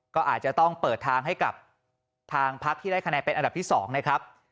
ก็อาจจะต้องเปิดทางให้กับทางพักที่ได้คะแนนเป็นอันดับที่๒นะครับ